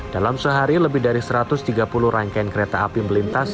dalam sehari lebih dari satu ratus tiga puluh rangkaian kereta api melintas